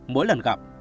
mỗi lần gặp